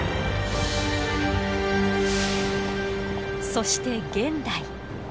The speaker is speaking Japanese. そして現代。